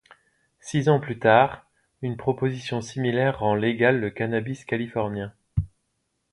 Six ans plus tard, une proposition similaire rend légal le cannabis californien.